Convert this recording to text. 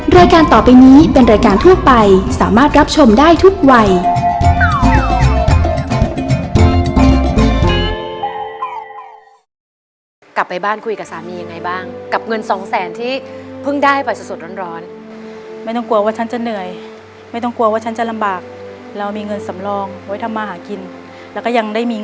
รายการต่อไปนี้เป็นรายการทั่วไปสามารถรับชมได้ทุกวัย